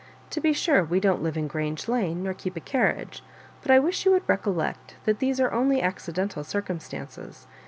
To be sure, we don't live in Grange Lane, nor keep a carriage ; but I wish you would recollect that these are only ac cidental circumstances.